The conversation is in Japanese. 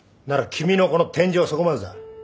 君のこの天井はそこまでだ。